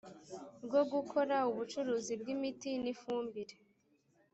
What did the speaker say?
rwo gukora ubucuruzi bw imiti n ifumbire